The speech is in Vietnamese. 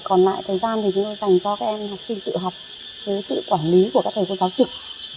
còn lại thời gian thì chúng tôi dành cho các em học sinh tự học với sự quản lý của các thầy cô giáo trực